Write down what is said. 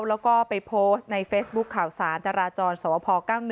แล้วก็ไปโพสต์ในเฟซบุ๊คข่าวสารจราจรสวพ๙๑